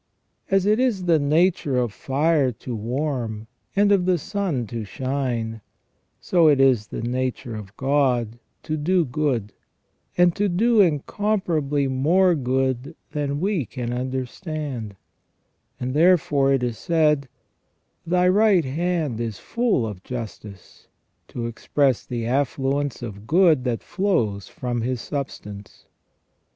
As it is the nature of fire to warm, and of the sun to shine, so is it the nature of God to do good, and to do incomparably more good than we can understand ; and therefore it is said :' Thy right hand is full of justice,' to express the affluence of good that flows from His substance."